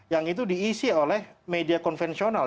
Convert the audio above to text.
yang itu diisi oleh media konvensional